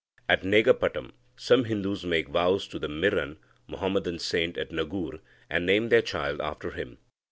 At Negapatam, some Hindus make vows to the Miran (Muhammadan saint) of Nagur, and name their child after him.